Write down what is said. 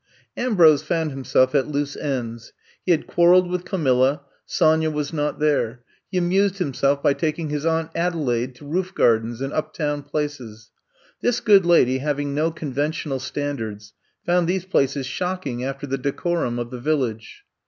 Ambrose found himself at loose ends* He had quarreled with Camilla ; Sonya was not there. He amused himself by taking his Aunt Adelaide to roof gardens and up town places. This good lady, having no conventional standards, found these places shocking after the decorum of the village.